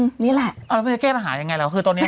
อืมนี่แหละเอาแล้วมันจะแก้ปัญหาอย่างไรหรือว่าคือตอนนี้